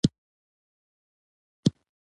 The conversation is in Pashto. ځینې سیارې تر مشتري لویې دي